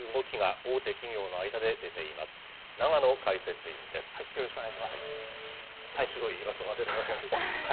おもしろいイラストが出てきましたけど。